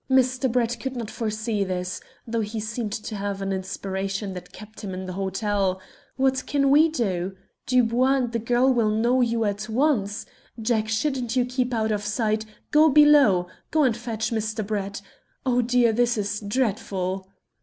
Mr. Brett could not foresee this, though he seemed to have an inspiration that kept him in the hotel. What can we do? Dubois and the girl will know you at once! Jack, shouldn't you keep out of sight? go below go and fetch Mr. Brett. Oh, dear, this is dreadful!"